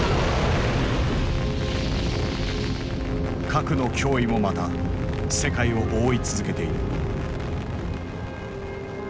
核の脅威もまた世界を覆い続けている。